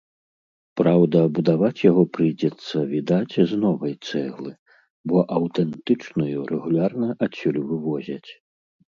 Праўда, будаваць яго прыйдзецца, відаць, з новай цэглы, бо аўтэнтычную рэгулярна адсюль вывозяць.